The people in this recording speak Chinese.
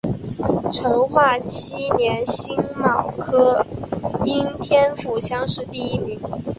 成化七年辛卯科应天府乡试第一名。